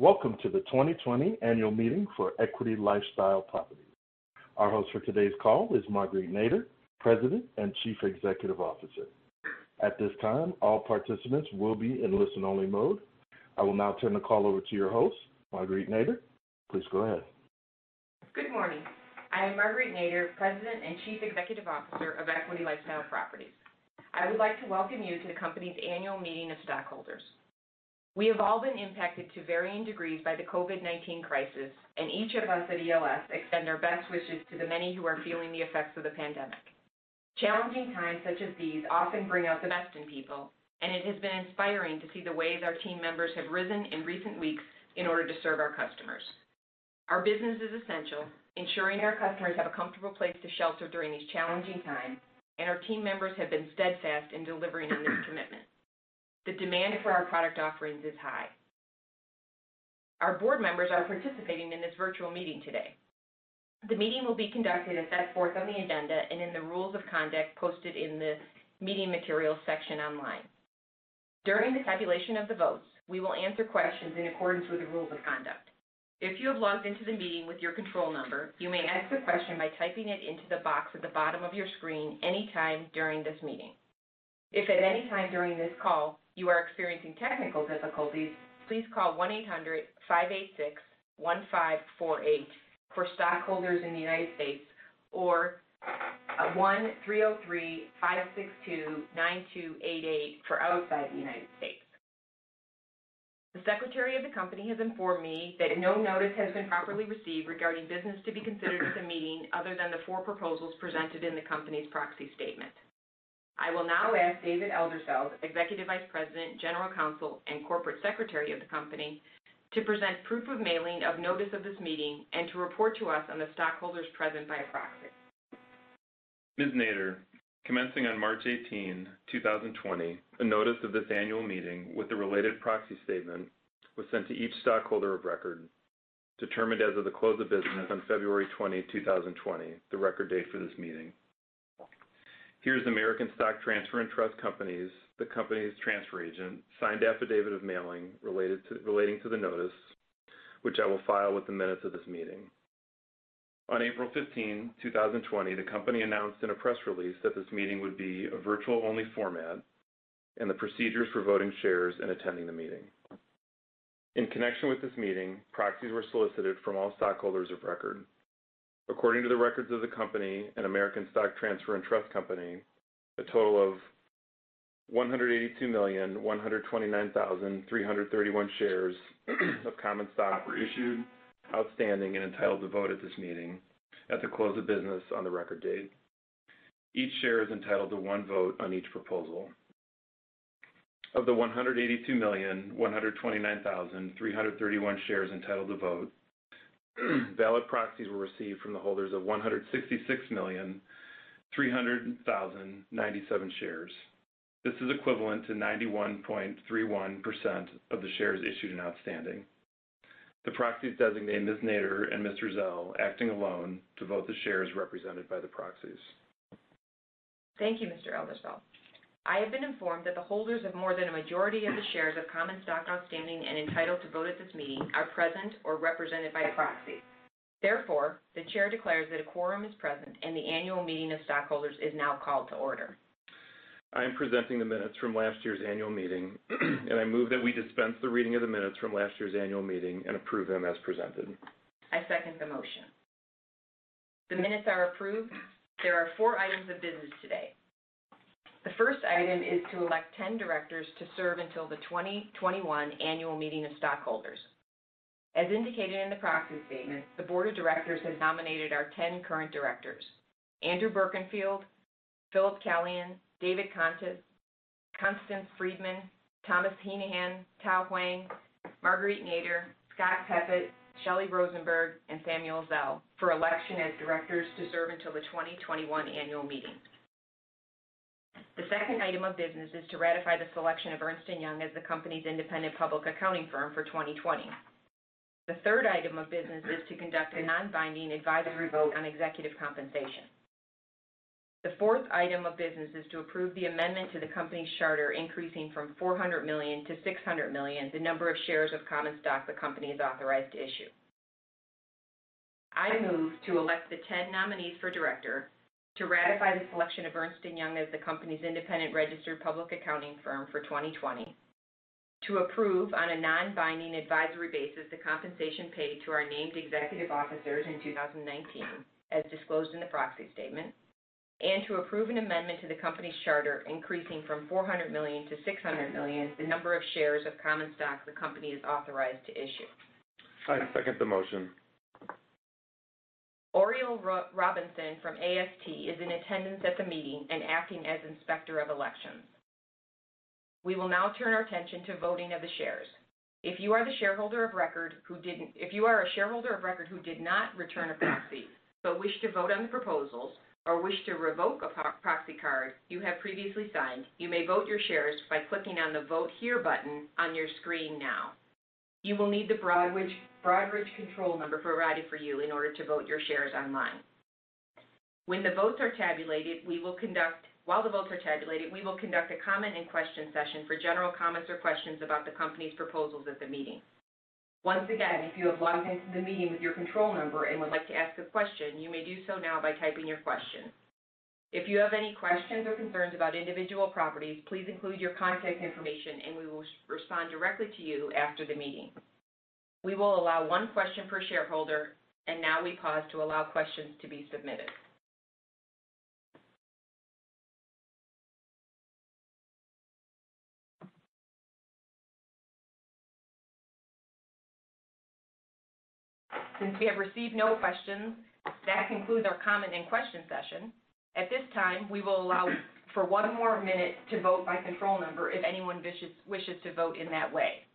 Welcome to the 2020 annual meeting for Equity LifeStyle Properties. Our host for today's call is Marguerite Nader, President and Chief Executive Officer. At this time, all participants will be in listen-only mode. I will now turn the call over to your host, Marguerite Nader. Please go ahead. Good morning. I am Marguerite Nader, President and Chief Executive Officer of Equity LifeStyle Properties. I would like to welcome you to the company's annual meeting of stockholders. We have all been impacted to varying degrees by the COVID-19 crisis, and each of us at ELS extend our best wishes to the many who are feeling the effects of the pandemic. Challenging times such as these often bring out the best in people, and it has been inspiring to see the ways our team members have risen in recent weeks in order to serve our customers. Our business is essential, ensuring our customers have a comfortable place to shelter during these challenging times, and our team members have been steadfast in delivering on their commitment. The demand for our product offerings is high. Our board members are participating in this virtual meeting today. The meeting will be conducted as set forth on the agenda and in the rules of conduct posted in the meeting materials section online. During the tabulation of the votes, we will answer questions in accordance with the rules of conduct. If you have logged into the meeting with your control number, you may ask a question by typing it into the box at the bottom of your screen anytime during this meeting. If at any time during this call you are experiencing technical difficulties, please call 1-800-586-1548 for stockholders in the United States, or 1-303-562-9288 for outside the United States. The Secretary of the company has informed me that no notice has been properly received regarding business to be considered at the meeting other than the four proposals presented in the company's proxy statement. I will now ask David Eldersveld, Executive Vice President, General Counsel, and Corporate Secretary of the company, to present proof of mailing of notice of this meeting and to report to us on the stockholders present by proxy. Ms. Nader, commencing on March 18, 2020, a notice of this annual meeting with the related proxy statement was sent to each stockholder of record, determined as of the close of business on February 20, 2020, the record date for this meeting. Here's American Stock Transfer & Trust Company's, the company's transfer agent, signed affidavit of mailing relating to the notice, which I will file with the minutes of this meeting. On April 15, 2020, the company announced in a press release that this meeting would be a virtual-only format and the procedures for voting shares and attending the meeting. In connection with this meeting, proxies were solicited from all stockholders of record. According to the records of the company and American Stock Transfer & Trust Company, a total of 182,129,331 shares of common stock were issued, outstanding, and entitled to vote at this meeting at the close of business on the record date. Each share is entitled to one vote on each proposal. Of the 182,129,331 shares entitled to vote, valid proxies were received from the holders of 166,300,097 shares. This is equivalent to 91.31% of the shares issued and outstanding. The proxies designate Ms. Nader and Mr. Zell, acting alone, to vote the shares represented by the proxies. Thank you, Mr. Eldersveld. I have been informed that the holders of more than a majority of the shares of common stock outstanding and entitled to vote at this meeting are present or represented by proxy. Therefore, the chair declares that a quorum is present, and the annual meeting of stockholders is now called to order. I am presenting the minutes from last year's annual meeting, and I move that we dispense the reading of the minutes from last year's annual meeting and approve them as presented. I second the motion. The minutes are approved. There are four items of business today. The first item is to elect 10 directors to serve until the 2021 annual meeting of stockholders. As indicated in the proxy statement, the board of directors has nominated our 10 current directors, Andrew Berkenfield, Philip Calian, David Contis, Constance Freedman, Thomas Heneghan, Tao Huang, Marguerite Nader, Scott Peppet, Sheli Rosenberg, and Samuel Zell, for election as directors to serve until the 2021 annual meeting. The second item of business is to ratify the selection of Ernst & Young as the company's independent public accounting firm for 2020. The third item of business is to conduct a non-binding advisory vote on executive compensation. The fourth item of business is to approve the amendment to the company's charter, increasing from $400 million-$600 million the number of shares of common stock the company is authorized to issue. I move to elect the 10 nominees for director, to ratify the selection of Ernst & Young as the company's independent registered public accounting firm for 2020, to approve on a non-binding advisory basis the compensation paid to our named executive officers in 2019, as disclosed in the proxy statement, and to approve an amendment to the company's charter, increasing from $400 million to $600 million the number of shares of common stock the company is authorized to issue. I second the motion. Oriel Robinson from AST is in attendance at the meeting and acting as Inspector of Elections. We will now turn our attention to voting of the shares. If you are a shareholder of record who did not return a proxy but wish to vote on the proposals or wish to revoke a proxy card you have previously signed, you may vote your shares by clicking on the Vote Here button on your screen now. You will need the Broadridge control number provided for you in order to vote your shares online. When the votes are tabulated, we will conduct a comment and question session for general comments or questions about the company's proposals at the meeting. Once again, if you have logged into the meeting with your control number and would like to ask a question, you may do so now by typing your question. If you have any questions or concerns about individual properties, please include your contact information and we will respond directly to you after the meeting. We will allow one question per shareholder, and now we pause to allow questions to be submitted. Since we have received no questions, that concludes our comment and question session. At this time, we will allow for one more minute to vote by control number if anyone wishes to vote in that way.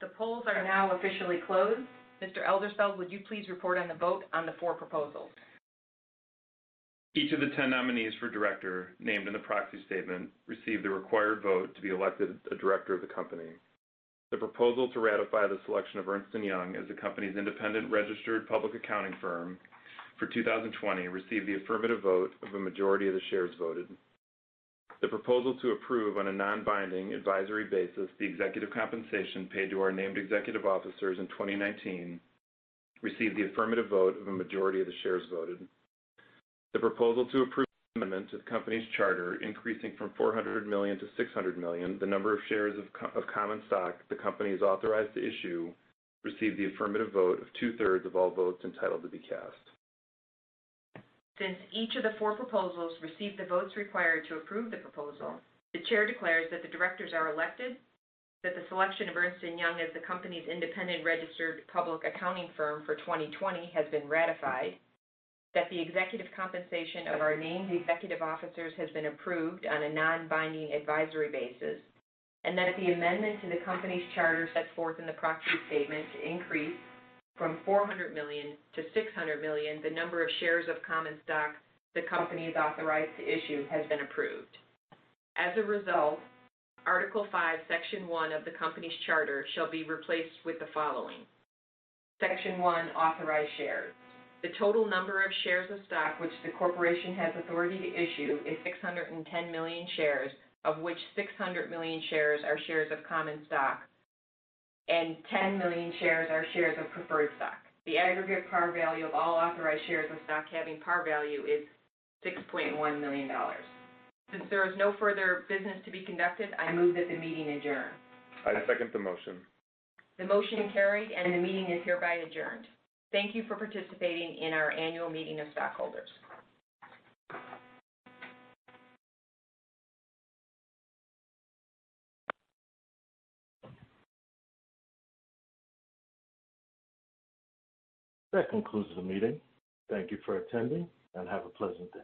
The polls are now officially closed. Mr. Eldersveld, would you please report on the vote on the four proposals? Each of the 10 nominees for director named in the proxy statement received the required vote to be elected a director of the company. The proposal to ratify the selection of Ernst & Young as the company's independent registered public accounting firm for 2020 received the affirmative vote of a majority of the shares voted. The proposal to approve, on a non-binding advisory basis, the executive compensation paid to our named executive officers in 2019 received the affirmative vote of a majority of the shares voted. The proposal to approve the amendment to the company's charter, increasing from $400 million-$600 million the number of shares of common stock the company is authorized to issue, received the affirmative vote of 2/3 of all votes entitled to be cast. Since each of the four proposals received the votes required to approve the proposal, the chair declares that the directors are elected, that the selection of Ernst & Young as the company's independent registered public accounting firm for 2020 has been ratified, that the executive compensation of our named executive officers has been approved on a non-binding advisory basis, and that the amendment to the company's charter set forth in the proxy statement to increase from $400 million-$600 million the number of shares of common stock the company is authorized to issue has been approved. As a result, Article V, Section 1 of the company's charter shall be replaced with the following: Section 1, Authorized Shares. The total number of shares of stock which the corporation has authority to issue is 610 million shares, of which 600 million shares are shares of common stock and 10 million shares are shares of preferred stock. The aggregate par value of all authorized shares of stock having par value is $6.1 million. Since there is no further business to be conducted, I move that the meeting adjourn. I second the motion. The motion is carried, and the meeting is hereby adjourned. Thank you for participating in our annual meeting of stockholders. That concludes the meeting. Thank you for attending and have a pleasant day.